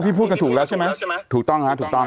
พี่พูดกันถูกละใช่ไหม